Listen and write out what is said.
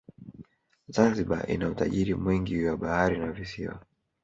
zanzibar ina utajiri mwingi wa bahari na visiwa